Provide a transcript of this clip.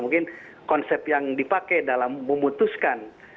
mungkin konsep yang dipakai dalam memutuskan